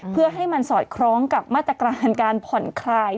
เพื่อให้มันสอดคล้องกับมาตรการการผ่อนคลาย